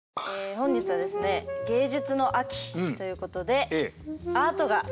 本日はですね芸術の秋ということでアート。